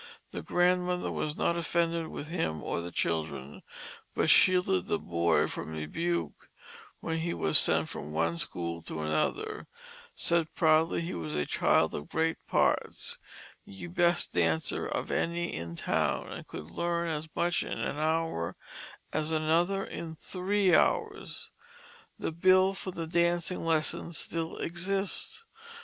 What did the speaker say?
The grandmother was not offended with him or the children, but shielded the boy from rebuke when he was sent from one school to another; said proudly he was "a child of great parts, ye best Dancer of any in town," and could learn as much in an hour as another in three hours. The bill for the dancing lessons still exists.